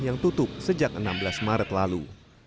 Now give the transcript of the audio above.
yang tutup sejak enam belas maret lalu